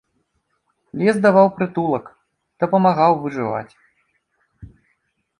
Лес даваў прытулак, дапамагаў выжываць.